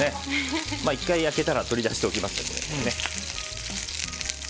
１回焼けたら取り出しておきますね。